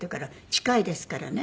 近いですからね。